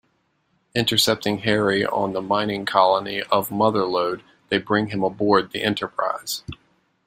Intercepting Harry on the mining colony of Motherlode, they bring him aboard the "Enterprise".